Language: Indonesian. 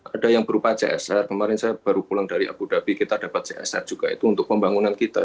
ada yang berupa csr kemarin saya baru pulang dari abu dhabi kita dapat csr juga itu untuk pembangunan kita